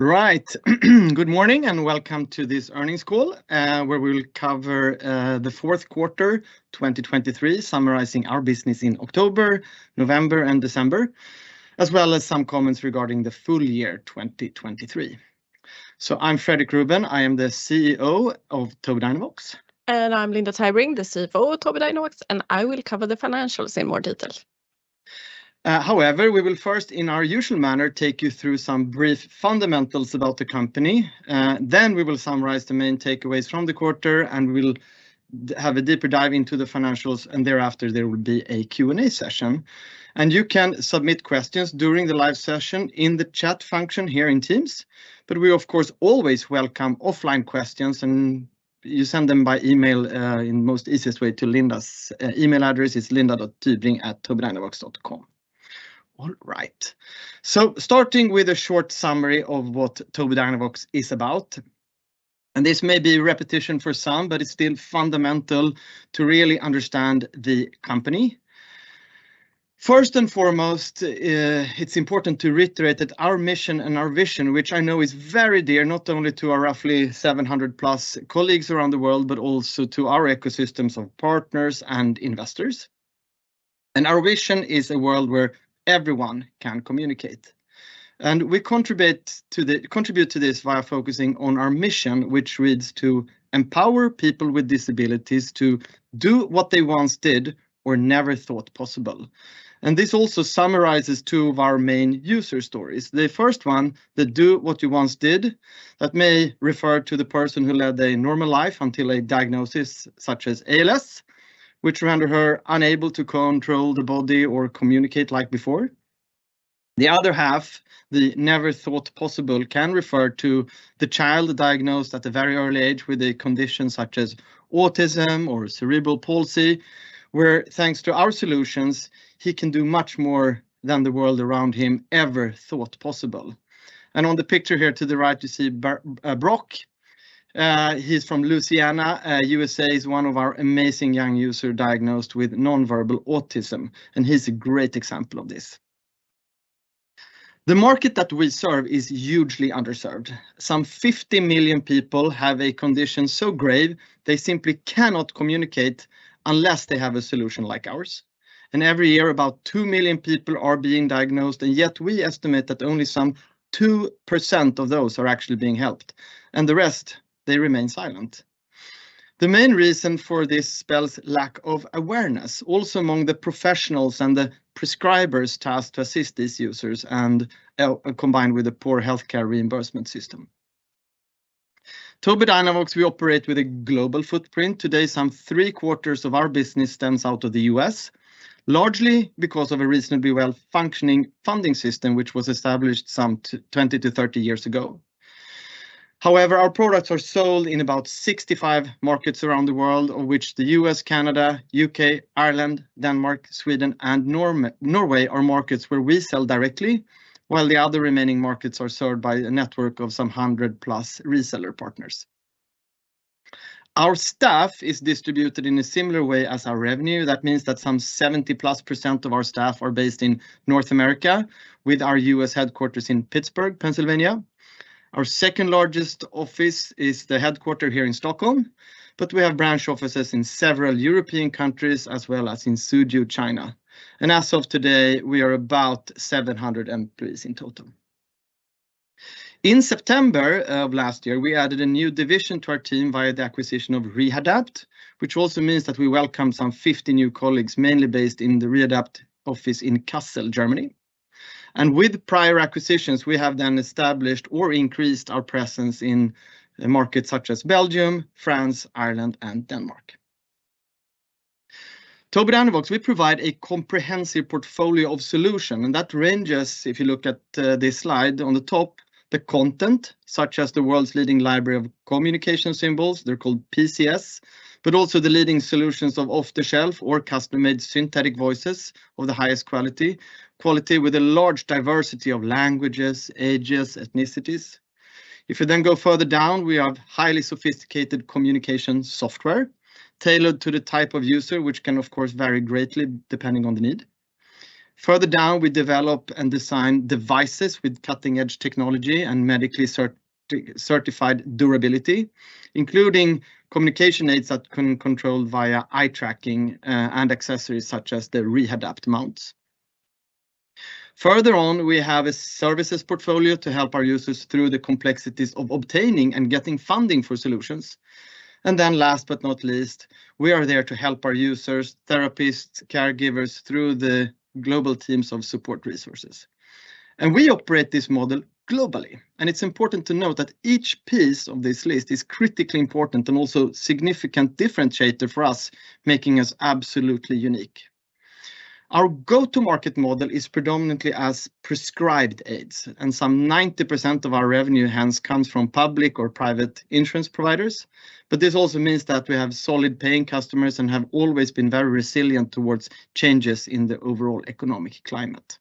Right. Good morning, and welcome to this earnings call, where we will cover the fourth quarter, 2023, summarizing our business in October, November, and December, as well as some comments regarding the full year 2023. So I'm Fredrik Ruben, I am the CEO of Tobii Dynavox. I'm Linda Tybring, the CFO of Tobii Dynavox, and I will cover the financials in more detail. However, we will first, in our usual manner, take you through some brief fundamentals about the company. Then we will summarize the main takeaways from the quarter, and we'll have a deeper dive into the financials, and thereafter, there will be a Q&A session. You can submit questions during the live session in the chat function here in Teams. But we, of course, always welcome offline questions, and you send them by email, in most easiest way to Linda's email address: linda.tybring@tobiidynavox.com. All right, so starting with a short summary of what Tobii Dynavox is about, and this may be repetition for some, but it's still fundamental to really understand the company. First and foremost, it's important to reiterate that our mission and our vision, which I know is very dear, not only to our roughly 700+ colleagues around the world, but also to our ecosystems of partners and investors. Our vision is a world where everyone can communicate, and we contribute to this via focusing on our mission, which reads, "To empower people with disabilities to do what they once did or never thought possible." And this also summarizes two of our main user stories. The first one, the do what you once did, that may refer to the person who led a normal life until a diagnosis, such as ALS, which rendered her unable to control the body or communicate like before. The other half, the never thought possible, can refer to the child diagnosed at a very early age with a condition such as autism or cerebral palsy, where, thanks to our solutions, he can do much more than the world around him ever thought possible. And on the picture here to the right, you see Brock. He's from Louisiana, U.S.A. He's one of our amazing young user diagnosed with non-verbal autism, and he's a great example of this. The market that we serve is hugely underserved. Some 50 million people have a condition so grave they simply cannot communicate unless they have a solution like ours, and every year, about 2 million people are being diagnosed, and yet we estimate that only some 2% of those are actually being helped, and the rest, they remain silent. The main reason for this is lack of awareness, also among the professionals and the prescribers tasked to assist these users, and combined with a poor healthcare reimbursement system. Tobii Dynavox, we operate with a global footprint. Today, some three-quarters of our business stems out of the U.S., largely because of a reasonably well-functioning funding system, which was established some 20-30 years ago. However, our products are sold in about 65 markets around the world, of which the U.S., Canada, U.K., Ireland, Denmark, Sweden, and Norway are markets where we sell directly, while the other remaining markets are served by a network of some 100+ reseller partners. Our staff is distributed in a similar way as our revenue. That means that some 70%+ of our staff are based in North America, with our U.S. headquarters in Pittsburgh, Pennsylvania. Our second largest office is the headquarters here in Stockholm, but we have branch offices in several European countries, as well as in Suzhou, China. As of today, we are about 700 employees in total. In September of last year, we added a new division to our team via the acquisition of Rehadapt, which also means that we welcome some 50 new colleagues, mainly based in the Rehadapt office in Kassel, Germany. With prior acquisitions, we have then established or increased our presence in markets such as Belgium, France, Ireland, and Denmark. Tobii Dynavox, we provide a comprehensive portfolio of solutions, and that ranges, if you look at this slide on the top, the content, such as the world's leading library of communication symbols, they're called PCS, but also the leading solutions of off-the-shelf or custom-made synthetic voices of the highest quality. Quality with a large diversity of languages, ages, ethnicities. If you then go further down, we have highly sophisticated communication software, tailored to the type of user, which can, of course, vary greatly depending on the need. Further down, we develop and design devices with cutting-edge technology and medically certified durability, including communication aids that can control via eye tracking, and accessories, such as the Rehadapt mounts. Further on, we have a services portfolio to help our users through the complexities of obtaining and getting funding for solutions. And then last but not least, we are there to help our users, therapists, caregivers through the global teams of support resources. And we operate this model globally, and it's important to note that each piece of this list is critically important and also significant differentiator for us, making us absolutely unique. Our go-to-market model is predominantly as prescribed aids, and some 90% of our revenue hence comes from public or private insurance providers. But this also means that we have solid paying customers and have always been very resilient towards changes in the overall economic climate.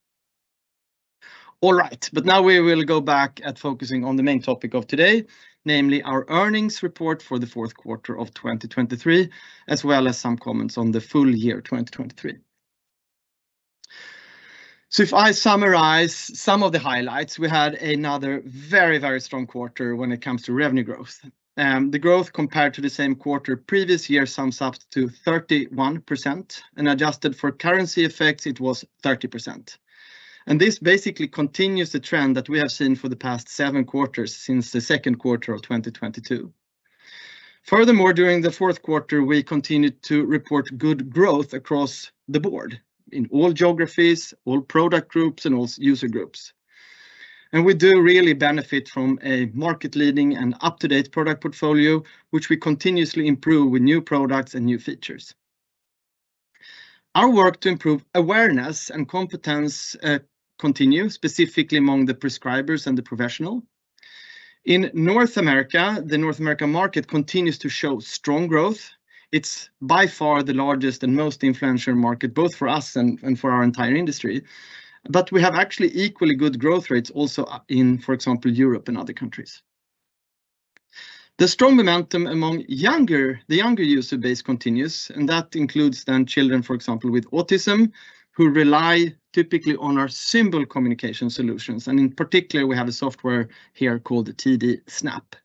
All right, but now we will go back at focusing on the main topic of today, namely our earnings report for the fourth quarter of 2023, as well as some comments on the full year 2023. So if I summarize some of the highlights, we had another very, very strong quarter when it comes to revenue growth. The growth compared to the same quarter previous year sums up to 31%, and adjusted for currency effects, it was 30%. This basically continues the trend that we have seen for the past seven quarters since the second quarter of 2022. Furthermore, during the fourth quarter, we continued to report good growth across the board in all geographies, all product groups, and all user groups. We do really benefit from a market-leading and up-to-date product portfolio, which we continuously improve with new products and new features. Our work to improve awareness and competence continue, specifically among the prescribers and the professional. In North America, the North American market continues to show strong growth. It's by far the largest and most influential market, both for us and for our entire industry, but we have actually equally good growth rates also in, for example, Europe and other countries. The strong momentum among the younger user base continues, and that includes then children, for example, with autism, who rely typically on our symbol communication solutions, and in particular, we have a software here called the TD Snap.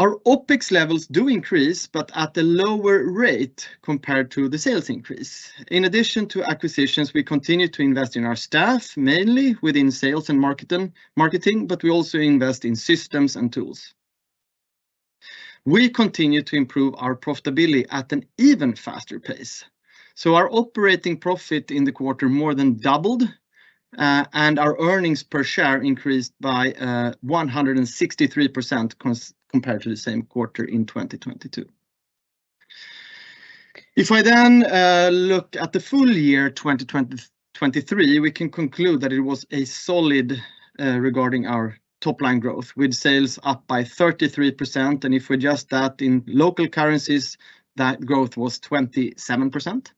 Our OpEx levels do increase, but at a lower rate compared to the sales increase. In addition to acquisitions, we continue to invest in our staff, mainly within sales and marketing, but we also invest in systems and tools. We continue to improve our profitability at an even faster pace, so our operating profit in the quarter more than doubled, and our earnings per share increased by 163% compared to the same quarter in 2022. If I then look at the full year 2023, we can conclude that it was a solid, regarding our top-line growth, with sales up by 33%, and if we adjust that in local currencies, that growth was 27%.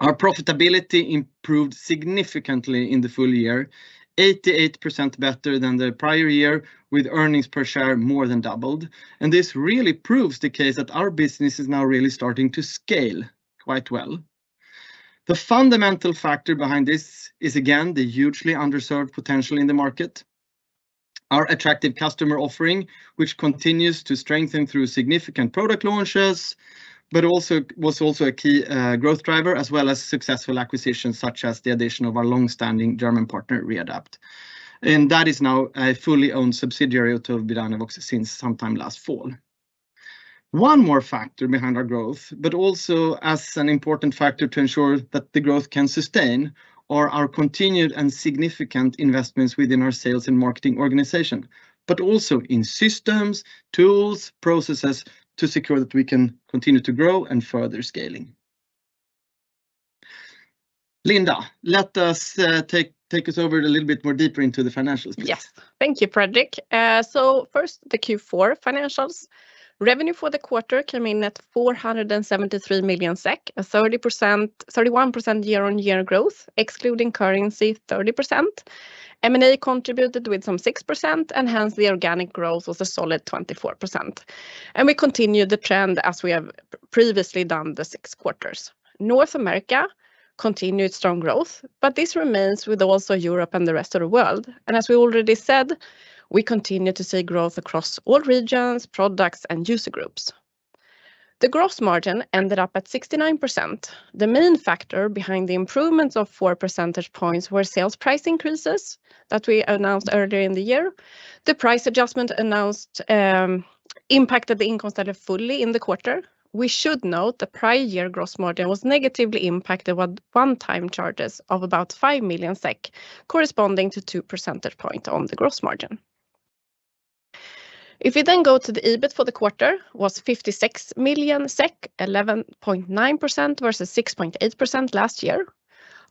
Our profitability improved significantly in the full year, 88% better than the prior year, with earnings per share more than doubled, and this really proves the case that our business is now really starting to scale quite well. The fundamental factor behind this is, again, the hugely underserved potential in the market. Our attractive customer offering, which continues to strengthen through significant product launches, but also, was also a key growth driver, as well as successful acquisitions, such as the addition of our long-standing German partner, Rehadapt, and that is now a fully owned subsidiary to Tobii Dynavox since sometime last fall. One more factor behind our growth, but also as an important factor to ensure that the growth can sustain, are our continued and significant investments within our sales and marketing organization, but also in systems, tools, processes to secure that we can continue to grow and further scaling. Linda, let us take us over a little bit more deeper into the financial space. Yes. Thank you, Fredrik. So first, the Q4 financials. Revenue for the quarter came in at 473 million SEK, a 30%, 31% year-on-year growth, excluding currency, 30%. M&A contributed with some 6%, and hence the organic growth was a solid 24%. And we continued the trend as we have previously done the six quarters. North America continued strong growth, but this remains with also Europe and the rest of the world, and as we already said, we continue to see growth across all regions, products, and user groups. The gross margin ended up at 69%. The main factor behind the improvements of 4 percentage points were sales price increases that we announced earlier in the year. The price adjustment announced impacted the income instead of fully in the quarter. We should note the prior year gross margin was negatively impacted with one-time charges of about 5 million SEK, corresponding to two percentage points on the gross margin. If we then go to the EBIT for the quarter, was 56 million SEK, 11.9% versus 6.8% last year.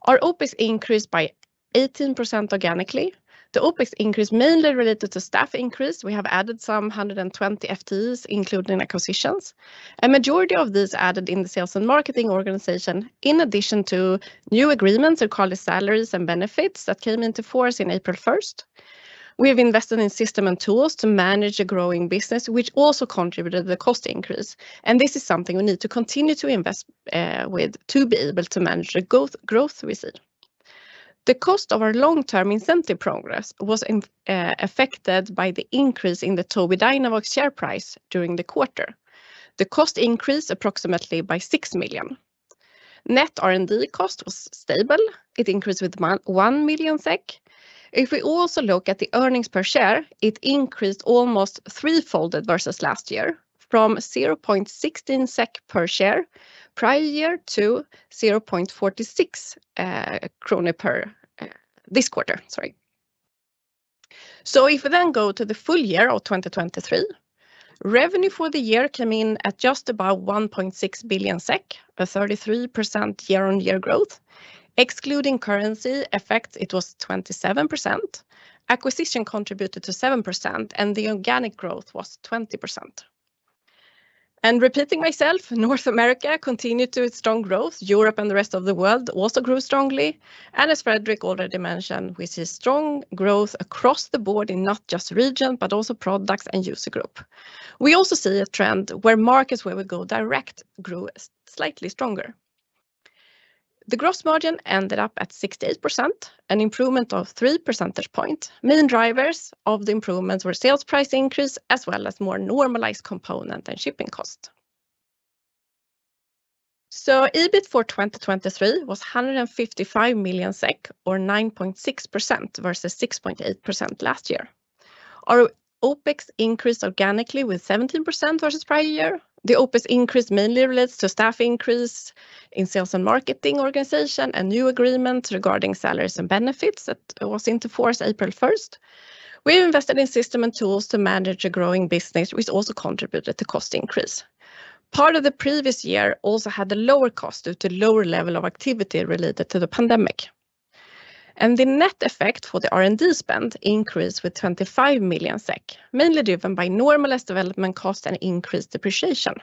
Our OpEx increased by 18% organically. The OpEx increase mainly related to staff increase. We have added some 120 FTEs, including acquisitions. A majority of these added in the sales and marketing organization, in addition to new agreements, so called the salaries and benefits, that came into force in April 1. We have invested in system and tools to manage a growing business, which also contributed to the cost increase, and this is something we need to continue to invest with to be able to manage the growth, growth we see. The cost of our long-term incentive progress was affected by the increase in the Tobii Dynavox share price during the quarter. The cost increased approximately by 6 million. Net R&D cost was stable. It increased with 1 million SEK. If we also look at the earnings per share, it increased almost threefold versus last year, from 0.16 SEK per share prior year to 0.46 krona per this quarter, sorry. So if we then go to the full year of 2023, revenue for the year came in at just about 1.6 billion SEK, a 33% year-on-year growth. Excluding currency effect, it was 27%. Acquisition contributed to 7%, and the organic growth was 20%. And repeating myself, North America continued to its strong growth. Europe and the rest of the world also grew strongly, and as Fredrik already mentioned, we see strong growth across the board in not just region, but also products and user group. We also see a trend where markets where we go direct grew slightly stronger. The gross margin ended up at 68%, an improvement of three percentage points. Main drivers of the improvements were sales price increase, as well as more normalized component and shipping costs. So EBIT for 2023 was 155 million SEK, or 9.6%, versus 6.8% last year. Our OpEx increased organically with 17% versus prior year. The OpEx increase mainly relates to staff increase in sales and marketing organization and new agreements regarding salaries and benefits that went into force April 1. We invested in system and tools to manage a growing business, which also contributed to cost increase. Part of the previous year also had a lower cost due to lower level of activity related to the pandemic. The net effect for the R&D spend increased with 25 million SEK, mainly driven by normalized development cost and increased depreciation.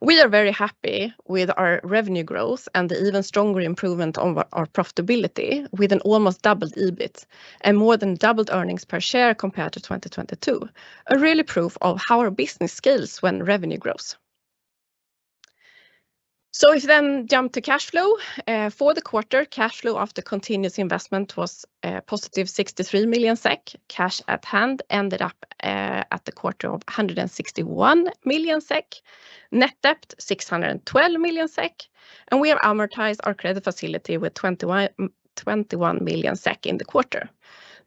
We are very happy with our revenue growth and the even stronger improvement on our profitability, with an almost doubled EBIT and more than doubled earnings per share compared to 2022, a really proof of how our business scales when revenue grows. So if then jump to cash flow, for the quarter, cash flow after continuous investment was, positive 63 million SEK. Cash at hand ended up, at the quarter of 161 million SEK. Net debt, 612 million SEK, and we have amortized our credit facility with 21 million SEK, 21 million SEK in the quarter.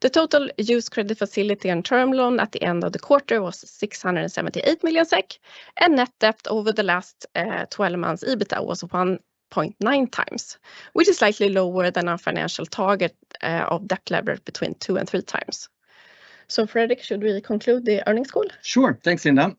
The total used credit facility and term loan at the end of the quarter was 678 million SEK, and net debt over the last twelve months EBITDA was 1.9x, which is slightly lower than our financial target of debt level between 2x-3x. So Fredrik, should we conclude the earnings call? Sure, thanks, Linda.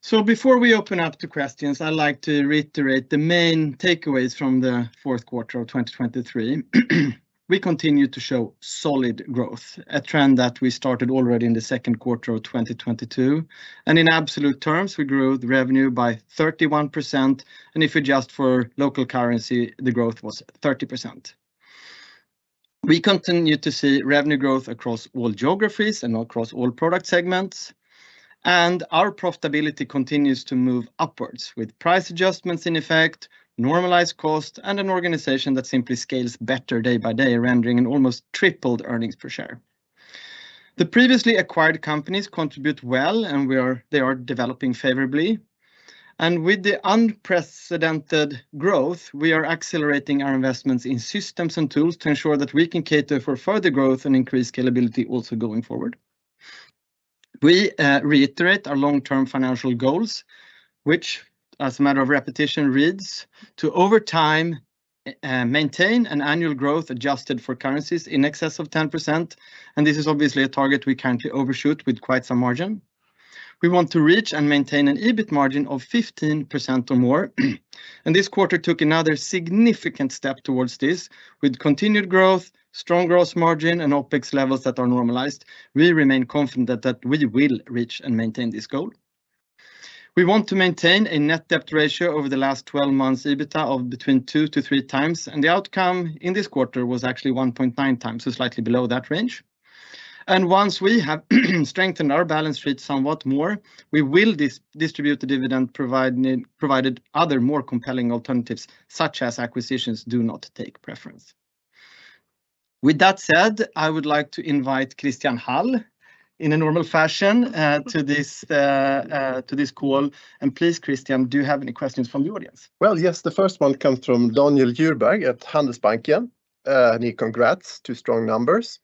So before we open up to questions, I'd like to reiterate the main takeaways from the fourth quarter of 2023. We continue to show solid growth, a trend that we started already in the second quarter of 2022, and in absolute terms, we grew the revenue by 31%, and if adjusted for local currency, the growth was 30%. We continue to see revenue growth across all geographies and across all product segments, and our profitability continues to move upwards, with price adjustments in effect, normalized cost, and an organization that simply scales better day by day, rendering an almost tripled earnings per share. The previously acquired companies contribute well, and we are-- they are developing favorably. With the unprecedented growth, we are accelerating our investments in systems and tools to ensure that we can cater for further growth and increase scalability also going forward. We reiterate our long-term financial goals, which, as a matter of repetition, reads, "To over time, maintain an annual growth adjusted for currencies in excess of 10%," and this is obviously a target we currently overshoot with quite some margin. We want to reach and maintain an EBIT margin of 15% or more, and this quarter took another significant step towards this. With continued growth, strong gross margin, and OpEx levels that are normalized, we remain confident that we will reach and maintain this goal. We want to maintain a net debt ratio over the last twelve months EBITDA of between 2x-3x, and the outcome in this quarter was actually 1.9x, so slightly below that range. And once we have strengthened our balance sheet somewhat more, we will distribute the dividend, provided other, more compelling alternatives, such as acquisitions, do not take preference. With that said, I would like to invite Christian Hall, in a normal fashion, to this call. And please, Christian, do you have any questions from the audience? Well, yes, the first one comes from Daniel Djurberg at Handelsbanken. Congrats to strong numbers.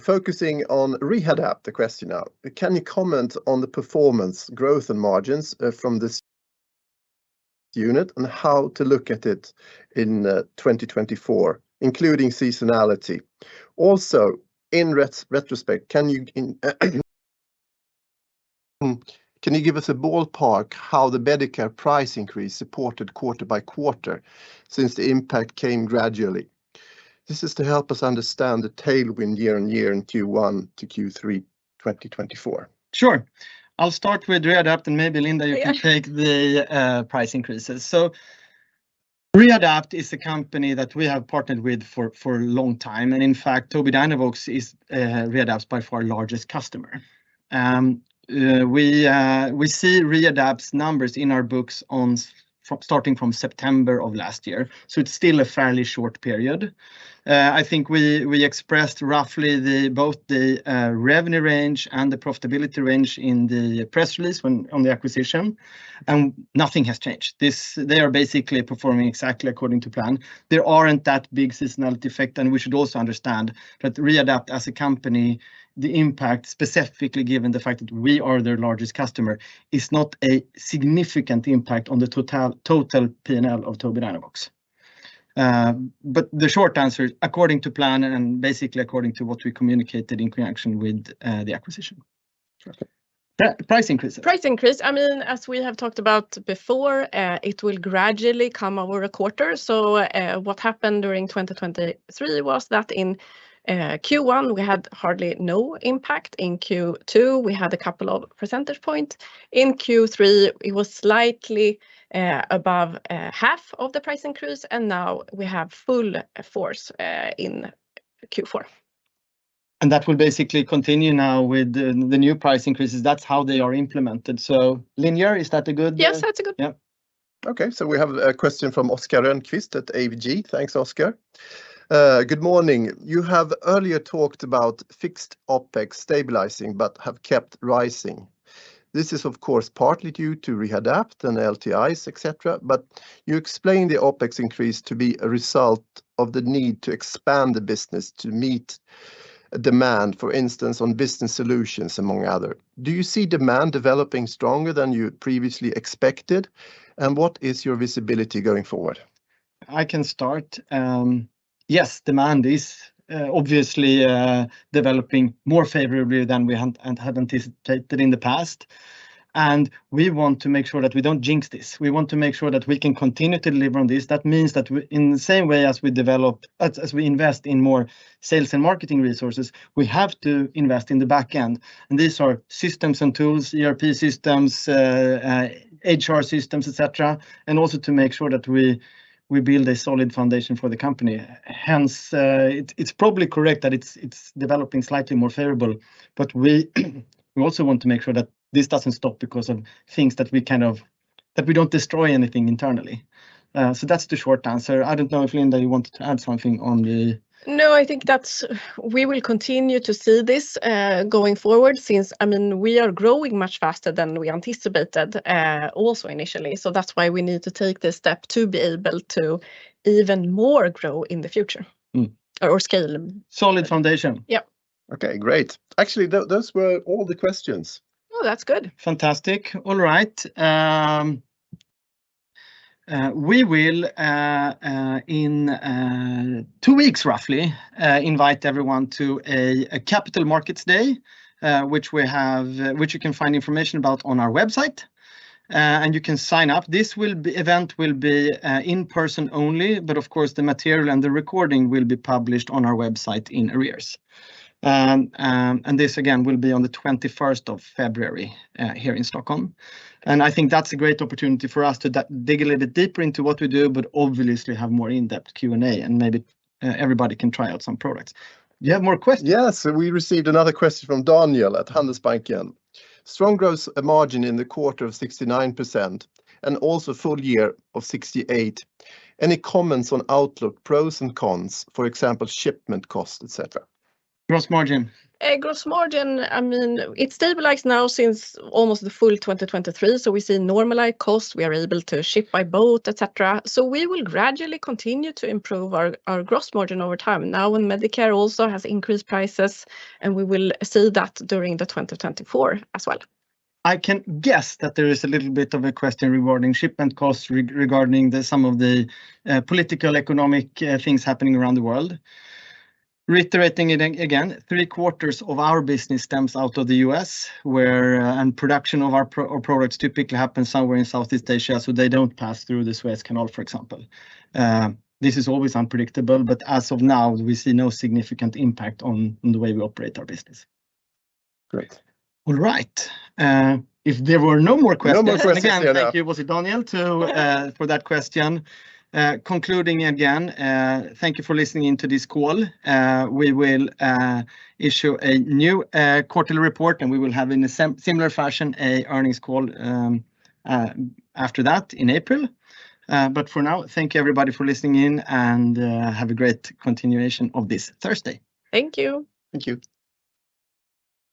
Focusing on Rehadapt, the question now, can you comment on the performance, growth, and margins from this unit, and how to look at it in 2024, including seasonality? Also, in retrospect, can you give us a ballpark how the Medicare price increase supported quarter by quarter since the impact came gradually? This is to help us understand the tailwind year-on-year in Q1 to Q3 2024. Sure. I'll start with Rehadapt, and maybe, Linda- Yeah. ...you can take the, price increases. So Rehadapt is a company that we have partnered with for a long time, and in fact, Tobii Dynavox is, Rehadapt's by far largest customer. We see Rehadapt's numbers in our books starting from September of last year, so it's still a fairly short period. I think we expressed roughly both the revenue range and the profitability range in the press release when, on the acquisition, and nothing has changed. This. They are basically performing exactly according to plan. There aren't that big seasonality effect, and we should also understand that Rehadapt as a company, the impact, specifically given the fact that we are their largest customer, is not a significant impact on the total P&L of Tobii Dynavox. The short answer, according to plan and basically according to what we communicated in connection with the acquisition. Perfect. Yeah, the price increase. Price increase, I mean, as we have talked about before, it will gradually come over a quarter. So, what happened during 2023 was that in Q1, we had hardly no impact. In Q2, we had a couple of percentage point. In Q3, it was slightly above half of the price increase, and now we have full force in Q4. And that will basically continue now with the new price increases. That's how they are implemented. So, Linda, is that a good? Yes, that's a good. Yeah. Okay, so we have a question from Oscar Rönnkvist at ABG. Thanks, Oscar. "Good morning. You have earlier talked about fixed OpEx stabilizing, but have kept rising. This is, of course, partly due to Rehadapt and LTIs, et cetera, but you explain the OpEx increase to be a result of the need to expand the business to meet demand, for instance, on business solutions, among other. Do you see demand developing stronger than you had previously expected, and what is your visibility going forward? I can start. Yes, demand is obviously developing more favorably than we had anticipated in the past, and we want to make sure that we don't jinx this. We want to make sure that we can continue to deliver on this. That means that in the same way as we develop. As we invest in more sales and marketing resources, we have to invest in the back end, and these are systems and tools, ERP systems, HR systems, et cetera, and also to make sure that we build a solid foundation for the company. Hence, it's probably correct that it's developing slightly more favorable, but we also want to make sure that this doesn't stop because of things that we don't destroy anything internally. So that's the short answer. I don't know if, Linda, you wanted to add something on the... No, I think that's... We will continue to see this, going forward, since, I mean, we are growing much faster than we anticipated, also initially. So that's why we need to take this step to be able to even more grow in the future. Or scale. Solid foundation. Yeah. Okay, great. Actually, those were all the questions. Oh, that's good. Fantastic. All right. We will, in two weeks, roughly, invite everyone to a Capital Markets Day, which you can find information about on our website, and you can sign up. This event will be in person only, but of course, the material and the recording will be published on our website in arrears. And this, again, will be on the 21st of February, here in Stockholm, and I think that's a great opportunity for us to dig a little deeper into what we do, but obviously have more in-depth Q&A, and maybe everybody can try out some products. Do you have more questions? Yes, we received another question from Daniel at Handelsbanken. "Strong gross margin in the quarter of 69% and also full year of 68%. Any comments on outlook, pros and cons, for example, shipment cost, et cetera? Gross margin. Gross margin, I mean, it stabilizes now since almost the full 2023, so we see normalized costs. We are able to ship by boat, et cetera. So we will gradually continue to improve our, our gross margin over time. Now, when Medicare also has increased prices, and we will see that during the 2024 as well. I can guess that there is a little bit of a question regarding shipment costs regarding some of the political, economic things happening around the world. Reiterating it again, three-quarters of our business stems out of the U.S., where and production of our our products typically happen somewhere in Southeast Asia, so they don't pass through this Suez Canal, for example. This is always unpredictable, but as of now, we see no significant impact on the way we operate our business. Great. All right, if there were no more questions- No more questions there. Again, thank you, was it Daniel, for that question? Concluding again, thank you for listening in to this call. We will issue a new quarterly report, and we will have, in a similar fashion, a earnings call after that in April. But for now, thank you, everybody, for listening in, and have a great continuation of this Thursday. Thank you! Thank you.